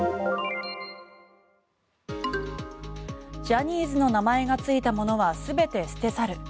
ジャニーズの名前がついたものは全て捨て去る。